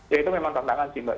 ya itu memang tantangan sih mbak